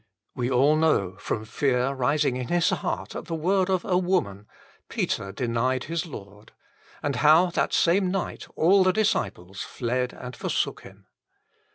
We all know how, from fear rising in his heart at the word of a woman, Peter denied his Lord ; and how that same night all the disciples fled and forsook Him.